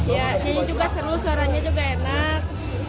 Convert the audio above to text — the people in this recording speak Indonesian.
ya ini juga seru suaranya juga enak